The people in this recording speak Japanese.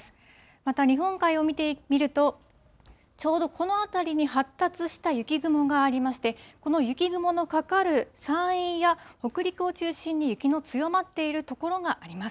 また日本海を見てみると、ちょうどこの辺りに発達した雪雲がありまして、この雪雲のかかる山陰や北陸を中心に雪の強まっている所があります。